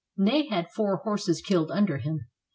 Ney had four horses killed under him.